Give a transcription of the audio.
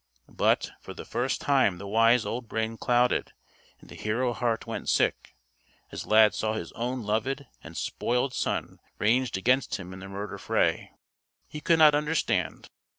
But, for the first time the wise old brain clouded, and the hero heart went sick; as Lad saw his own loved and spoiled son ranged against him in the murder fray. He could not understand.